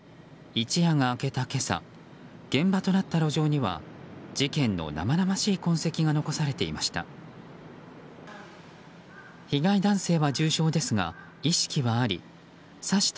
一夜が明けた今朝現場となった路上には事件の生々しい痕跡が残されていました。